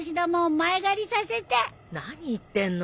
何言ってんの？